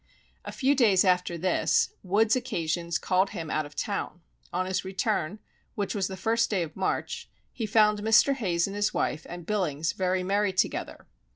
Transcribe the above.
_ A few days after this, Wood's occasions called him out of town. On his return, which was the first day of March, he found Mr. Hayes and his wife and Billings very merry together.